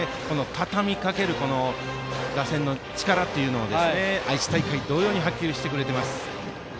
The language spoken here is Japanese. たたみかける打線の力を愛知大会同様に発揮してくれています。